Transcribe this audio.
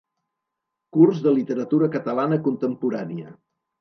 Curs de literatura catalana contemporània.